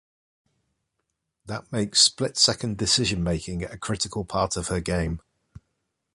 That makes split-second decision making a critical part of her game.